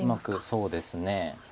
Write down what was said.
そうですね。